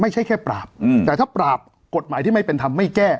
ไม่ใช่แค่ปราบแต่ถ้าปราบกฎหมายที่ไม่เป็นธรรมไม่แก้